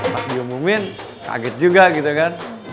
pas diumumin kaget juga gitu kan